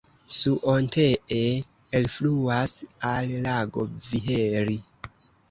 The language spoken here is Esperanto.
Suontee elfluas al lago Viheri.